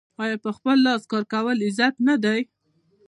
آیا په خپل لاس کار کول عزت نه دی؟